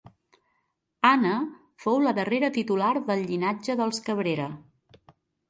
Anna fou la darrera titular del llinatge dels Cabrera.